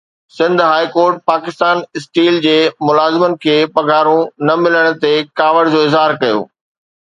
Sindh high court Pakistan steel جي ملازمن کي پگهارون نه ملڻ تي ڪاوڙ جو اظهار ڪيو